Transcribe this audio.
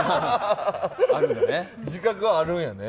自覚はあるんだね。